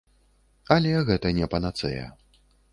Але гэта не панацэя.